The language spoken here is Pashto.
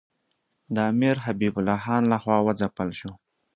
د امیر حبیب الله خان له خوا وځپل شو.